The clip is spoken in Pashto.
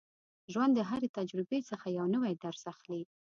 ژوند د هرې تجربې څخه یو نوی درس اخلي.